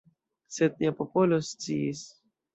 Sed nia popolo sciis.